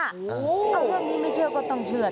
ฮือในเวลาโรงงานนี้ไม่เชื่อก็ต้องเชื่อหรือ